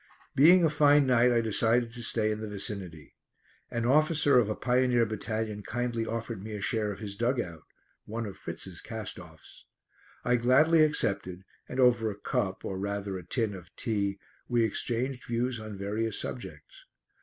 Being a fine night I decided to stay in the vicinity. An officer of a pioneer battalion kindly offered me a share of his dug out one of Fritz's cast offs. I gladly accepted, and over a cup or rather a tin of tea, we exchanged views on various subjects.